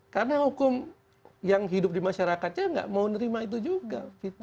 karena hukum yang hidup di masyarakatnya nggak mau nerima itu juga